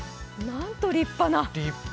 なんと立派な。